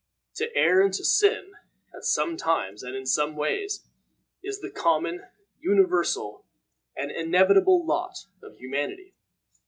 To err and to sin, at some times and in some ways, is the common, universal, and inevitable lot of humanity.